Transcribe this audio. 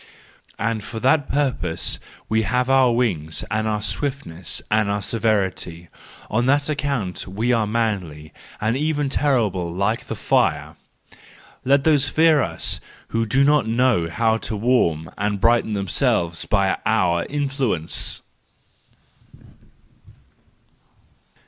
And for that purpose we have our wings and our swiftness and our severity, on that account we are manly, and even terrible like the fire. Let those fear us, who SANCTUS JANUARIUS 229 do not know how to warm and brighten themselves by our influence!